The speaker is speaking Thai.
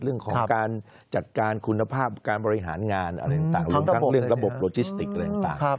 เรื่องของการจัดการคุณภาพการบริหารงานอะไรต่างรวมทั้งเรื่องระบบโลจิสติกอะไรต่าง